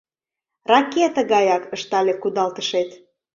— Ракета гаяк! — ыштале кудалтышет.